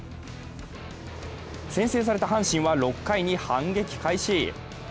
先制された阪神は６回に反撃開始。